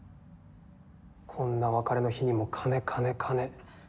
こんな別れの日にも金金金。